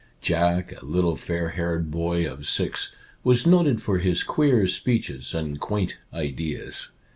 Jack, a little fair haired boy of six, was noted for his queer speeches and quaint ideas.